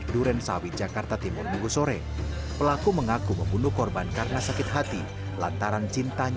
dia mengaku perbuatan itu